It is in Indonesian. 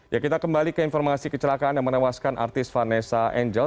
ya kita kembali ke informasi kecelakaan yang menewaskan artis vanessa angel